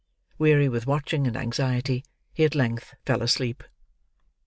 Weary with watching and anxiety, he at length fell asleep.